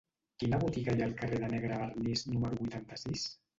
Quina botiga hi ha al carrer de Negrevernís número vuitanta-sis?